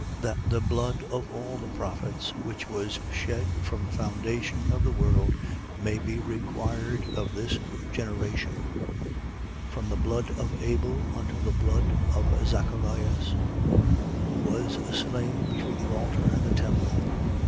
11:50. That the blood of all the prophets which was shed from the foundation of the world may be required of this generation, 11:51. From the blood of Abel unto the blood of Zacharias, who was slain between the altar and the temple.